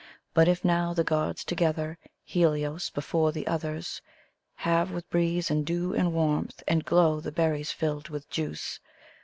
But if now the Gods together, Helios before the others, Have with breeze and dew and warmth and glow the berries filled with juice.